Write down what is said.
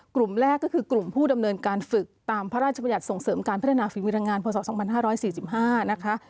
กลุ่มแรกก็คือกลุ่มผู้ดำเนินการฝึกตามพระราชบัญญัติส่งเสริมการพัฒนาฝีมือแรงงานพศ๒๕๔๕นะคะ